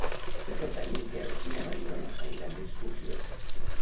Per Cap d'Any en Quel i na Mariona aniran d'excursió.